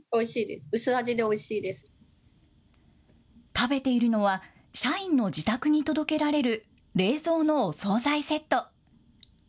食べているのは社員の自宅に届けられる冷蔵のお総菜セット。